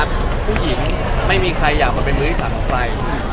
ผู้หญิงไม่มีใครอยากมาเป็นมือที่๓ของใคร